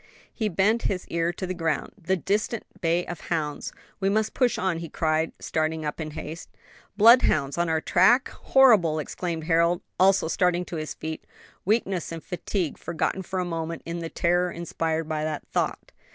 He bent his ear to the ground. "The distant bay of hounds! We must push on!" he cried, starting up in haste. "Bloodhounds on our track? Horrible!" exclaimed Harold, also starting to his feet, weakness and fatigue forgotten for the moment, in the terror inspired by that thought.